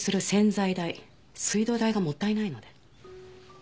水道代がもったいないので。